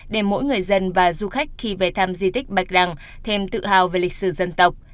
để mỗi người dân và du khách khi về thăm di tích bạch rằng thêm tự hào về lịch sử dân tộc